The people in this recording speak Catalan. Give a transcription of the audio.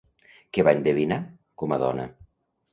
Què va endevinar, com a dona?